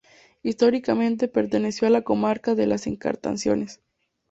Históricamente perteneció a la comarca de Las Encartaciones.